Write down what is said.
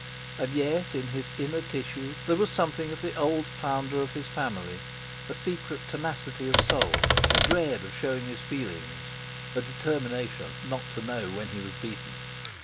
And yet, in his inner tissue, there was something of the old founder of his family, a secret tenacity of soul, a dread of showing his feelings, a determination not to know when he was beaten.